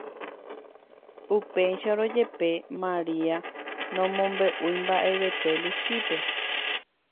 upéicharõ jepe, Maria nomombe'úi mba'evete Luchípe.